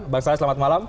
bang saleh selamat malam